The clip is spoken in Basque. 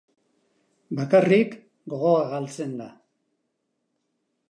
Bakarrik, gogoa galtzen da.